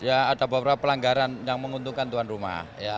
ada beberapa pelanggaran yang menguntungkan tuan rumah